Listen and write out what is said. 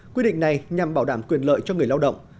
quy định này nhằm bảo đảm quyền lợi cho người lao động